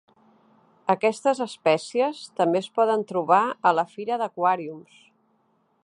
Aquestes espècies també es poden trobar a la fira d'aquàriums.